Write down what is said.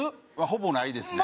ほぼないですね